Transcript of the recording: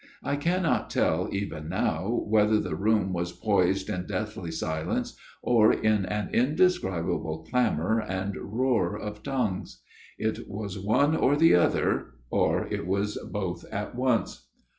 I cannot tell even now whether the room was poised in deathly silence, or in an indescribable clamour and roar of tongues. It was one or the other ; or it was both at once.